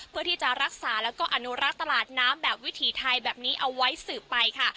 เพื่อที่จะรักษาแล้วก็อนุรักษ์ตลาดน้ำแบบวิถีไทยแบบนี้เอาไว้สืบไปค่ะ